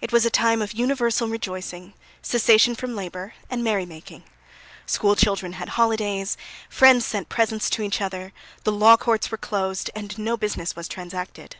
It was a time of universal rejoicing, cessation from labour, and merry making. School children had holidays, friends sent presents to each other, the law courts were closed, and no business was transacted.